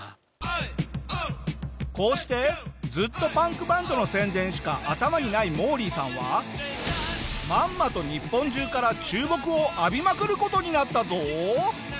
こうしてずっとパンクバンドの宣伝しか頭にないモーリーさんはまんまと日本中から注目を浴びまくる事になったぞ！